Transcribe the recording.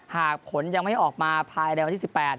หากผลยังไม่ออกมาภายในวันที่๑๘